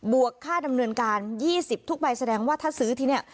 วกค่าดำเนินการ๒๐ทุกใบแสดงว่าถ้าซื้อที่นี่